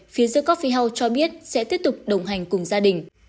phía giữa coffee house cho biết sẽ tiếp tục đồng hành cùng gia đình